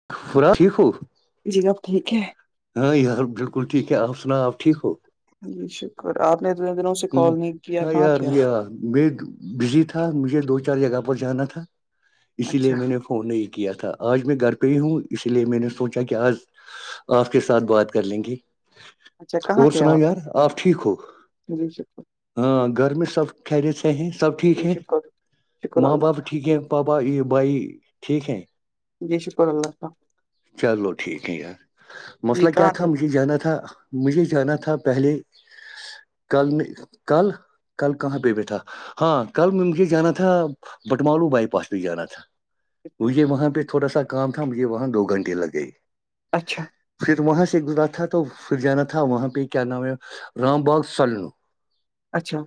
[unintelligible] جی اب ٹھیک ہے ہاں یار بالکل ٹھیک ہے آپ سناؤ آپ ٹھیک ہو جی شکر آپ نے اتنے دنوں سے کال ہ نہیں کیا ہاں کہاں یار تھے بھیا میں بزی تھا مجھے دو چار جگہ پر جانا تھا اسی اچھا لیے میں نے نہیں کیا تھا اج میں گھر پہ ہی ہوں اس لیے میں نے سوچا کہ آپ کے ساتھ بات کر لیں گی اچھا کہاں تھے آپ ہاں گھر میں سب ٹھہرے سے ہیں سب ٹھیک جی ہے شکر شکر ماں باپ اللہ کا ٹھیک ہے پابا یہ بھائی ٹھیک ہے جی شکر اللہ چلو ٹھیک ہے یار جی مسئلہ کیا کہاں تھا تھے مجھے جانا تھا مجھے جانا تھا پہلے کل نے کل کل کہاں پہ بھیٹھ تھا ہاں کل مجھے جانا تھا بٹمالو بائی پاس بھیہ جانا تھا آپ؟ مجھے وہاں پہ تھوڑا سا کام تھا مجھے وہاں دو گھنٹے لگ گئے اچھا پھر وہاں سے گزرا تھا تو پھر جانا تھا وہاں پہ کیا نام ہے رام باغ سال نو اچھا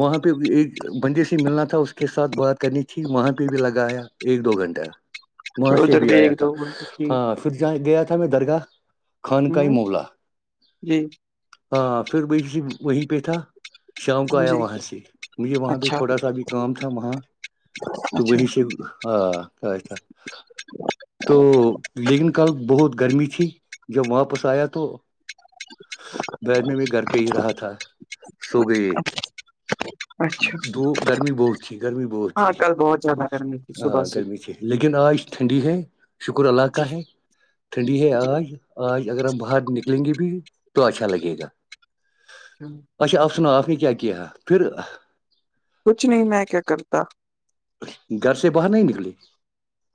وہاں پہ ایک بندے سے ملنا تھا اس کے ساتھ بات کرنی تھی وہاں پہ بھی لگا آیا ایک دو گھنٹہ وہاں اچھا سے ادھر بھی آیا ایک تھا دو جی ہاں گیا تھا میں درگاہ خانہ ہ مولا جی ہاں پھر بی وہیں پہ تھا شام کو آیا جی وہاں سے مجھے وہاں پہ اچھا تھوڑا سا ابھی کام تھا وہاں تو اچھا وہش ہاں تھا تو لیکن کل بہت گرمی تھی جب واپس آیا تو بعیر میں میں گھر پہ ہی رہا تھا سوگئے اچھا ب گرمی بہت تھی گرمی بہت ہاں تھی کل بہت زیادہ گرمی تھی ہاں صبح سے گرمیمی تھی لیکن آج ٹھنڈی ہے شکر جی علاقہ ہے ٹھنڈی ہے آج اچھا آج اگر ہم باہر نکلیں گے بھی تو اچھا لگے گا اچھ اچھا آپ سنا آپ نے کیا کیا ہے پھر کچھ نہیں میں کیا کرتا گھر سے باہر نہیں نکلی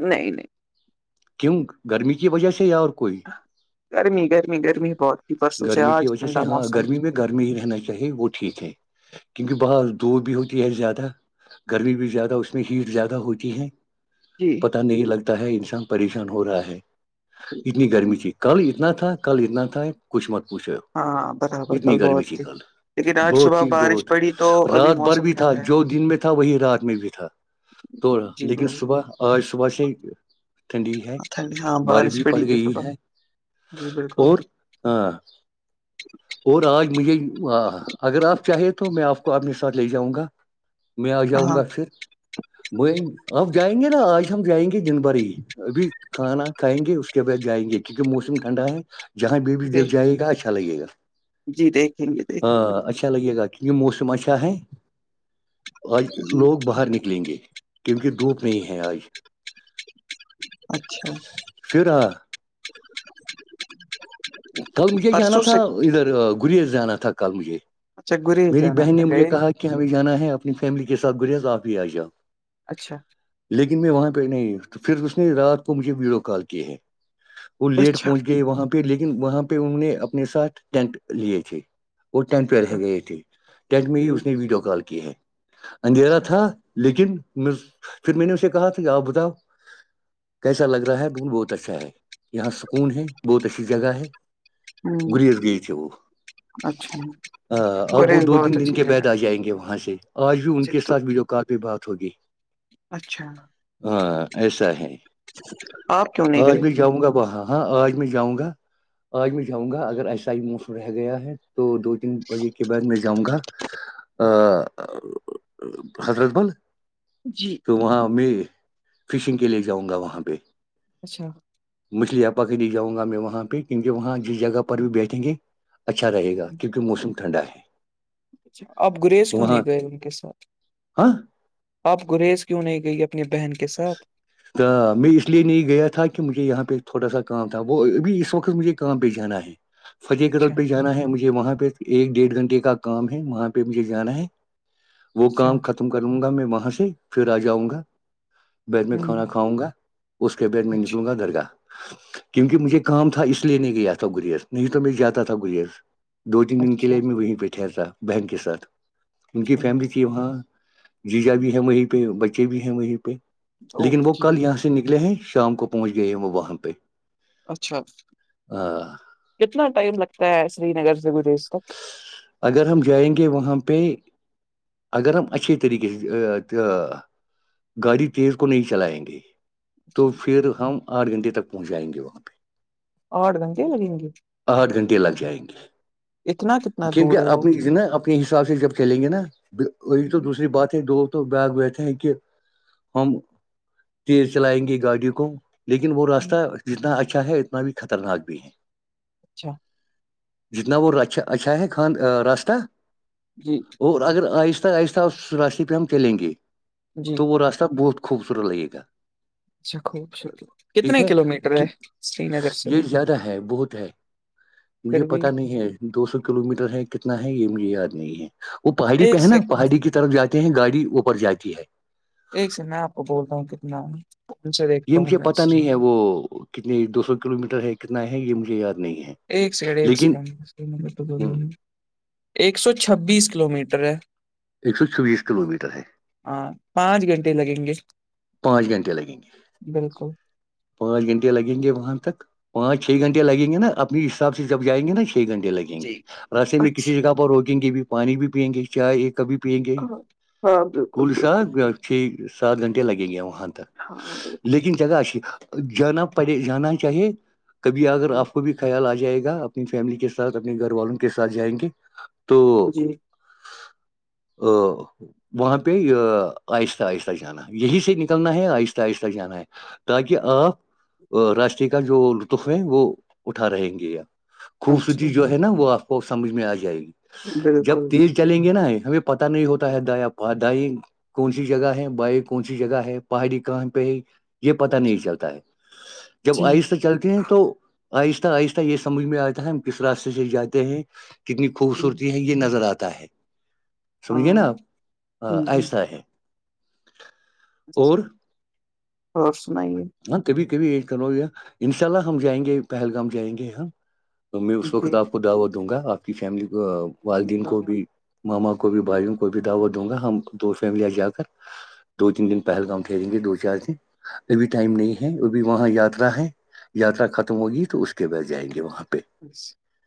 نہیں نہیں کیوں گرمی کی وجہ سے یا اور کوئی گرمی گرمی گرمی بہت ہی برسوں سے گرمی آج کی وجہ ٹھنڈا سے ہاں موسم ہے گرمی میں گرمی ہی رہنا چاہیے وہ ٹھیک ہے کیونکہ بہر دور بھی ہوتی ہے زیادہ گرمی بھی زیادہ اس ہیٹ زیادہ ہو چی ہے جی پتہ نہیں لگتا ہے انسان پریشان ہو رہا ہے بالکل اتنی گرمی تھی کل اتنا تھا کل اتنا تھا کچھ مت پوچھو ہاں برابر کل اتنی گرمی بہت تھی کل لیکن آج بہت صبح ہی بارش بہت پڑی تو ابھی رات بھر موسم بھی تھا ٹھنڈا ہے جو دن میں تھا وہی رات میں بھی تھا توڑا جی لیکن بالکل صبح آج صبح سے ٹھنڈی ہے ہاں بارش بھی پڑ پڑی تھی گئی صبح ہے جی بالکل اور ہاں اور آج مجھے اگر آپ چاہیں تو میں آپ کو آپ نے س لے جاؤں گا میں آ جاؤں ہاں گا پھر وہ آپ جائیں گے نا آج ہم جائیں گے دن بھر ہی ابھی کھانا کھائیں گے اس کے بعد جائیں گے کیونکہ موسم ٹھنڈا ہے جہاں بی بھی جی دل جائے گا اچھا لگے گا دیکھیں گے دیکھیں گے ہاں اچھا لگے گا یہ مسم اچها ہے ہیں آج جی لوگ باہر نک لیں گے کیونکہ دھوپ نہیں ہے آج اچھا [unintelligible] پھر ہاں، کل مجھے جانا پرسوں تھا سے ادھر گری جانا تھا کل مجھے اچھا گریز میری جانا بہن تھا نے مجھے گئے نہیں کہا کہ ہمیں جانا ہے اپنی فیملی کے ساتھ گریز آپ بھی آ جاؤ اچھا لیکن میں وہاں پہ نہیں تو پھر اس نے رات کو مجھے ویڈیو کال کی ہے وہ لیٹ اچھا پہنچ گئے وہاں پہ لیکن وہاں پہ ان نے اپنے ساتھ ٹینٹ لیے تھے وہ ٹینٹ پہ اچھا رہ گئے تھے ٹینٹ میں ہی جی اس نے ویڈیو کال کی ہے اندھیرا اچھا تھا لیکن پھر میں نے اسے کہا تھا آپ بتاؤ کیسا لگ رہا ہے بول بہت اچھا ہے یہاں سکون ہے بہت اچھی جگہ ہے ہوں گریز گئی تے وہ اچھا ہ اب وہ گریز دو تین بہت دن اچھی کے جگہ ہے۔ بعد آ جائیں گے وہاں سے آج بھی ان اچھا کے تو ساتھ بھی جو کافی بات ہوگی اچھا ہاں ایسا ہے آپ کیوں نہیں آج گئے میں جاؤں گا وہاں ہاں آج میں جاؤں گا آج میں جاؤں گا اگر ایسا ہی موسم رہ گیا ہے تو دو تین بجے کے بعد میں جاؤں گا ا حضرت بل جی تو وہاں میں فشنگ کے لیے جاؤں گا وہاں پہ اچھا مچھلی یاپا کے لی جاؤں گا میں وہاں پہ کیونکہ وہاں جس جگہ پر بھی بیٹھیں گے اچھا رہے گا کیونکہ موسم ٹھنڈا ہے اچھا آپ گرییز کیوں وہاں نہیں گئے ان کے ساتھ ہاں آپ گریز کیوں نہیں گئی اپنی بہن کے ساتھ میں اس لیے نہیں گیا تھا کہ مجھے یہاں پہ تھوڑا سا کام تھا وہ ابھی اس وقت مجھے کام پہ جانا ہے جی فتح قدل اچھا پہ جانا ہے مجھے وہاں پہ ایک ڈیڑھ گھنٹے کا کام ہے وہاں پہ مجھے جانا ہے وہ اچھا کام ختم کر لوں گا میں وہاں سے پھر آ جاؤں گا بیڈ میں ہوں کھانا کھاؤں گا اس کے بیڈ میں اچھا نکلوں گا درگاہ کیونکہ مجھے کام تھا اس لیے نہیں گیا تھا گریز نہیں تو میں جاتا تھا گریز دو تین دن کے اچھا لیے میں وہیں پہٹھہرتا بہن کے ساتھ ان کی اچھا فیملی وہاں جیجا بھی ہے وہیں پہ بچے بھی ہیں وہیں پہ لیکن وہ اوکے کل یہاں سے نکلے ہیں شام کو پہنچ گئے ہیں وہ وہاں پہ اچھا کتنا ٹائم لگتا ہے سری نگر سے گریز تک اگر ہم جائیں گے وہاں پہ اگر ہم اچھھی طریقے سے گاڑی تیز کو نہیں چلائیں گے تو اچھا پھر ہم آٹھ گھنٹے تک پہنچائیں گے وہاں پہ آٹھ گھنٹے لگیں گے آٹھ گھنٹے لگ جائیں گے اتناتنا کیونکہ اپنی نا اپنے حساب سے جب چلیں گے نا وہی جی تو دوسری بات ہے دو تو بگ بیتے ہیں کہ ہم تیز چلائیں گے گاڑی کو لیکن وہ ہوں، راستہ جتنا اچھا ہے اتنا بھی خطرناک بھی ہے اچھا [unintelligible] جتنا وہھا اچھا ہے خان راستہ جی اور اگر آہستہ آہستہ اس راشتے پہ ہم چلیں گے جی توور آتا بہت خوبصورت لگے گا اچھا خوبصورت ٹھیک کتنے ہے کلو میٹر کہ ہے سری نگر سے یہ وہ زیادہ ہے بہت ہے مجھے پھر بھی پتا نہیں ہے دو سو کلو میٹر ہے کتنا ہے یہ مجھے یاد نہیں ہے وہ پہاڑی پہ ایک ہے نا سیک پہاڑی کی طرف جا کے ہیں گاڑی اوپر جاتی ہے ایک س میں آپ کو بولتا ہوں کتنا ان سے یہ دیکھتا ہوں مجھے میں پتا نہیں ہے وہ کتنی دو سو کلو میٹر ہے کتنا ہے یہ مجھے یاد نہیں ہے ایک لیکن ایک سو چبیس کلو میٹر ہے ایک سو چوبیس کلو میٹر ہے ہاں پانچ گھنٹے لگیں گے پانچ گھنٹے لگیں گے بالکل پانچ گھنٹے لیں گے وہاں تک پانچ چھ گھنٹے لگیں گے نا اپنے حساب سے جائیںے نا چھ گھنٹے لگ گے یں جی گے رستے میں اچھا کسی جگہ پر روکیں گے بھی پانی بھی پئیں گے چاہے کب بھی پی گے ہاں ہاں بالکل کولی سا بالکل چھ سات گھنٹے لگیں گے وہاں تک ہاں بالکل لیکن جگہ ا جانا پڑے جانا چاہیے کبھی اگر ہ آپ کو بھی خیال آ جائے گا اپنی فیملی کے ساتھ اپنے گھر والوں کے سھ جائیں گے تو جی [inaudible] وہاں پہ آہستہ آہستہ جانا یہی سے نکلنا ہے آہستہ آہستہ جانا ہے تاکہ آپ راستے کا جو لطف ہے وہ اٹھا رہیں گے یا اچھا خوبصورتی جو ہے نا وہ اف واؤ سمجھ میں آ جائے گی جب بالکل تیز چلیں گے نا ہمیں پتہ نہیں ہوتا ہے دایاب پ دائیں کون سی جگہ ہے بائیں کون سی جگہ ہے پہاڑی کہاں پہ یہ پتا نہیں اچھا چلتا ہے جب جی آئیسے سے چلتے ہیں تو آہستہ آہستہ یہ سمجھ میں آتا ہے کس راستے سے جاتے ہیں کتنی ہوں، خوبصورتی ہے یہ نظر آتا ہے سمجھھیے ہاں نا آپ ہوں، جی ایہسہ ہے اور اور سنائیے ہاں کبھی کبھی یہ کو گیا انشاء اللہ ہم جائیں گے پہلگام جائیں گے ہ تو میں اس وقت جی آپ کو دعوت دوں گا آپ کی فیملی والدین کو بھی ماما کو بھی بھائیوں کوئی بھی دعوت دوں گا ہم دو فیملیا آ جا کر دو تین دن پہلگام ٹہریں گے دو چار دن ابھی ٹائم نہیں ہے ابھی وہاں یاترا ہے یاترا ختم ہوگی تو اس کے بعد جائیں گے وہاں پہ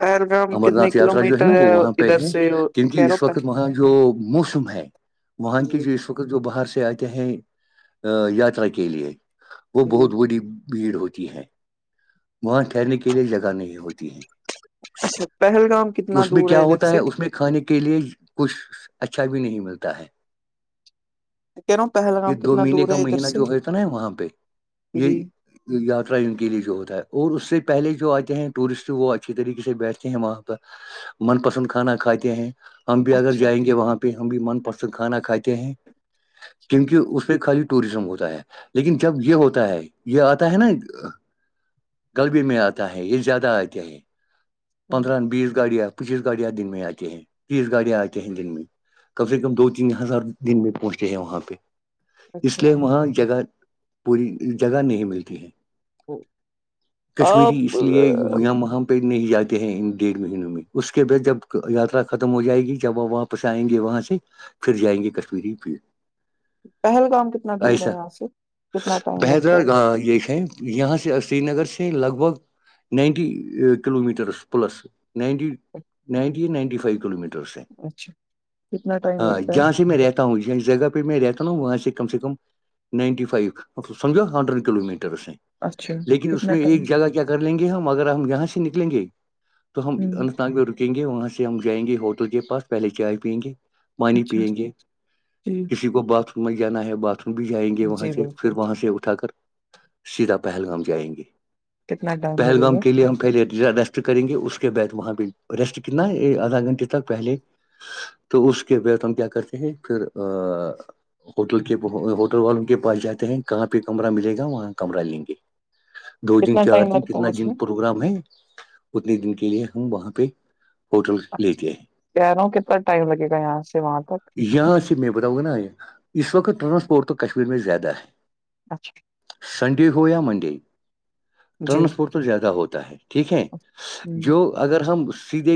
پہلگام کتنے ناتھ کلو یاترا جو ہے نا میٹر وہ وہاں پہ ادھر ہے سے کیونک کیرو اس پہ وقت جو موسم ہے وہاں کے جی جو وقت جو باہر سے آتے ہیں یاترا کے لیے وہ جی بہت بڑی بھیڑ ہوتی ہے وہاں ٹہرنے کے لیے جگہ نہیں ہوتی ہے اچھا پہلگام کتنا اس میں دور کیا ہے ادھر ہوتا سے اس میں کھانے کے لیئے کچھ اچھا بھی نہیں ملتا ہے کہہ رہا ہوں یہ پہلگام دو کتنا مہینے دور کا ہے ادھر مہینہ سے جو ہو تھا نا وہاں پہ جی یہ یاترا ان کے لیے جو ہوتا ہے اور اس سے پہلے جو آتے ہیں ٹورسٹ وہ اچھی طریقے سے بیٹھتے ہیں وہاں پر من پسند کھانا کھاتے ہیں ہم اگر اچھا جائیں گے وہاں پہ ہم بھی من پسند کھانا کھاتے ہیں اچھا کیونکہ اس پہ خالی ٹوریزم ہوتا ہے لیکن جب یہ ہوتا ہے یہ آتا ہے نا غلبی میں آتا ہے یہ زیادہ آتے ہے ہوں، پندرہ بیس گاڑیاں پچیس گاڑیاں دن میں آتے ہیں تیس گاڑیاں آتے ہیں دن میں کم سے کم دو تین ہزار دن میں پہنچ رہے ہیں وہاں پہ اس اچھا لیے وہاںہ پوری جگہ نہیں ملتی ہے کشمیری آپ اس لیے یہاں وہاں پہ نہیں جاتی ہیں ان ڈیڑھ مہینوں میں اس کے بعد جب یاترا ختم ہو جائے گی جب وہ واپس آئیں گے وہاں سے پھر جائیں گے کشمیری پ پہلگام کتنا دور ایسا ہے یہاں سے کتنا ٹائم لگتا بہدر گا ہے یہس ہے یہاں سے سری نگر سے لگ بھگ ninety kilometres plus ninety ninety ninety five kilometre اس سے اچھا کتنا ٹائم ہاں لگتا ہے جہاں سے میرے ایک ہوں ج جگہ پہ میں رہتا ہوں وہاں سے کم سے کم نائنٹی فائیو سمجھو ہنڈریڈ کلو میٹرس ہیں اچھا لیکن اس کتنا میں ٹائم ایک جگہ کیا کیا کر لیں گے ہم اگر ہم یہاں سے نکلیں گے تو ہم ہوں اننت ناگ میں رکیں گے وہاں سے ہم جائیں گے ہوٹل کے پاس پہلے چائے پیئیں گے پانی اچھا پیئیں گے جی کسی کو باتھ روم میں جانا ہے باتھ روم بھی جائیں گے وہاں جی سے پھر بالکل وہاں سے اٹھا کر سیدھا پہلگام جائیں گے کتنا ٹائم لگے پہلگام گا کےے ہم پہلےسٹ کریں گے اس کے بعد وہاں پہ ریسٹ کتنا آدھا گھنٹے تک پہلے تو اس کے وت ہم کیا کرتے ہیں پھر ہوٹل کے ہوٹل والوں کے پاس جاتے ہیں کہاں پہ کمرہ ملے گا وہاں کمرہ لیں گے دو دن کتنا چار ٹائم دن لگتا کتنا ہے اس دن میں پروگرام ہے اتنے دن کے لیے ہم وہاں پہ ہوٹل چ لیتے ہیں کہہ رہا ہوں کتنا ٹائم لگے گا یہاں سے وہاں تک یہاں سے میں بتاؤ نا یہ اس وقت ٹرانسپورٹ تو کشمیر میں زیادہ ہے اچھا سنڈے ہو یا منڈے جی ٹرانسپورٹ تو زیادہ ہوتا ہے ٹھیک ہے ہوں جو اگر ہم سیدھے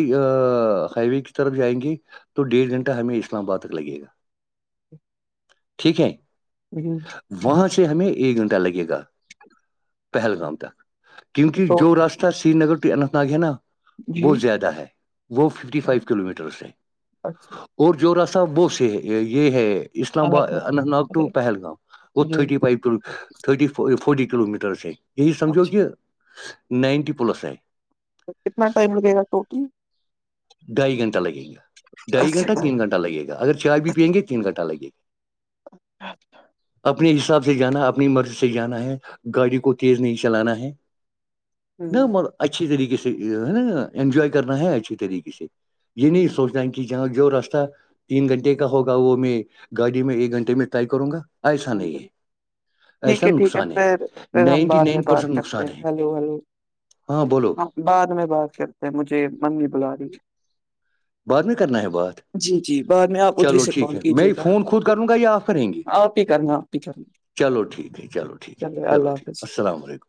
ہائی وے کی طرف جائیں گے تو ڈیڑھ گھنٹہ ہمیں اسلام آباد تک لگے گا ٹھیک ہے [unintelligible] وہاں سے ہمیں ایک گھنٹہ لگے گا پہلگام تک کیونکہ تو جو راستہ سری نگر و اننت نگ ہے نا جی وہہ زیادہ ہے وہ ففٹی اچھا فائیو کلو میٹرس ہیں اچھا اور اور جو راستہ وہ سے ہے یہ ہے اسلام آباد اننت ناگ ٹو پہلگام گت جی تھٹی فائیو ت تھٹی فوٹی کلو میٹرس آ یہی سمجھو اچھا کہ نائنٹی پلس آ ہے تو کتنا ٹائم لگے گا ٹوٹل ڈھائی گھنٹہ لگے گا ڈھائی اچھا گھنٹہ ٹائم تین گھنٹ لگے گا اگر چائے بھی پئیں گے تین گھنٹہ لگے گا اچا اپنے حساب سے جانا اپنی مرضی سے جانا ہے گاڑی کو تیز نہیں چلانا ہے ن ہوں م اچھی طریقے سے ہے نا انجوائے کرنا ہے اچھی طریقے سے یہ نہیں سوچتا کہ جاں جو رستہ تین گھنٹے کا ہوگا وہ میں گاڑی میں ایک گھنٹے میں طے کروں گا ایسا نہیں ہے بالکل ٹھیک ایسا ٹھیک نقصان ہے پھر پھر ہم نائنٹی بعد میں نائن بات پرسینٹ کرتے نقصان ہیں ہے ہیلو ہیلو ہاں بولو بعد میں بات کرتے ہیں مجھے ممی بلا رہی بعد میں کرنا ہے بات جی جی بعد میں آپ ادھر چلو سے ٹھیک کال ہے کیجیے میں گا فون خود کروں گا یا آف کریں گے آپ ہی کرنا آپ ہی کرنا چلو ٹھیک ہے چلو ٹھیک ہے چلے اللہ چلو ٹھیک حافظ السلام علیکم